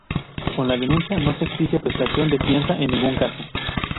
Con la denuncia no se exige prestación de fianza en ningún caso.